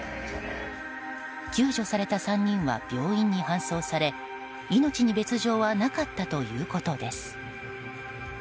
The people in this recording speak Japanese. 救助された３人は病院に搬送され命に別条はなかったということです。